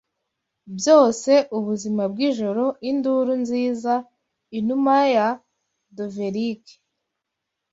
Byose ubuzima bwijoro Induru nziza, inuma ya dovelike